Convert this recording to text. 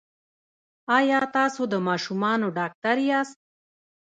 ایا تاسو د ماشومانو ډاکټر یاست؟